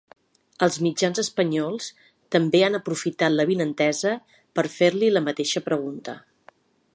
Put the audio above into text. Els mitjans espanyols també han aprofitat l’avinentesa per fer-li la mateixa pregunta.